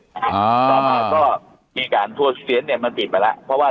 ต่อมาก็มีการทัวเซียนเนี่ยมันติดไปแล้วเพราะว่า